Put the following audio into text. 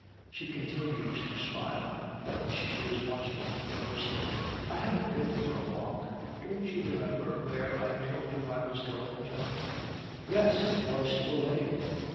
She continues to smile, but she is watching him closely. 'I haven't been for a walk. Don't you remember where I told you I was going, John?' 'Yes, it was to a wedding.'